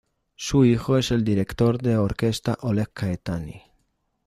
Su hijo es el director de orquesta Oleg Caetani.